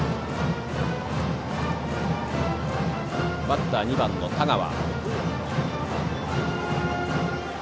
バッターは２番の田川。